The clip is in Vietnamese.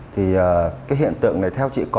thì cái hiện tượng này theo chị có